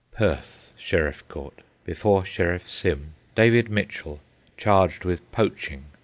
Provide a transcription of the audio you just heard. Perth Sheriff Court. Before Sheriff Sym. David Mitchell, charged with poaching.